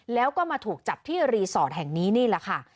แล้วก็มาถูกจับที่แห่งนนี้นี่แหละค่ะ